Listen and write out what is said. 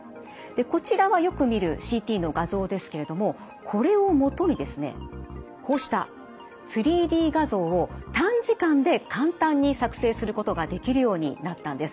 こちらはよく見るＣＴの画像ですけれどもこれを基にですねこうした３Ｄ画像を短時間で簡単に作成することができるようになったんです。